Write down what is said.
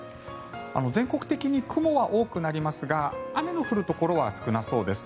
全国的に雲は多くなりますが雨の降るところは少なそうです。